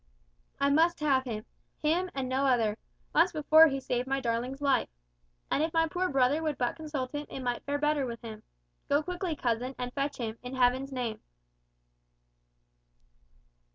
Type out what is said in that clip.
"I must have him. Him, and no other. Once before he saved my darling's life. And if my poor brother would but consult him, it might fare better with him. Go quickly, cousin, and fetch him, in Heaven's name."